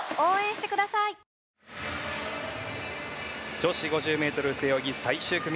女子５０ｍ背泳ぎ最終組。